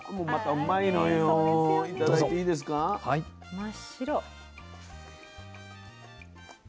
真っ白。